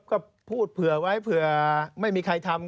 ก็พูดเผื่อไว้เผื่อไม่มีใครทำ